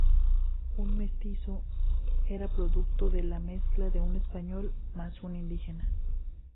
Un "mestizo" era producto de la mezcla de un español más un indígena.